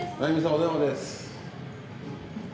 お電話です。